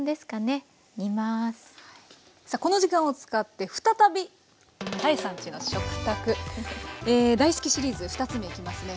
この時間を使って再び「多江さんちの食卓」。大好きシリーズ２つ目いきますね。